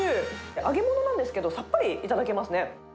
揚げ物なんですけど、さっぱり頂けますね。